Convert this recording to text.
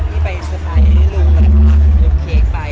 นี่เอาเค้กไป